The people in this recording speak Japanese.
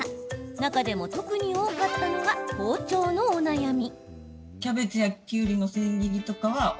中でも特に多かったのが包丁のお悩み。